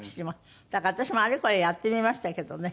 だから私もあれこれやってみましたけどね。